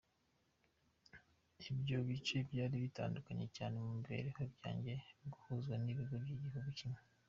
Ibyo bice byari bitandukanye cyane mu mibereho, byaje guhuzwa bigirwa igihugu kimwe.